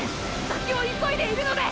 先を急いでいるので！！